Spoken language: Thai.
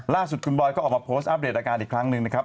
ล่าสุดคุณบอยก็ออกมาโพสต์อัปเดตอาการอีกครั้งหนึ่งนะครับ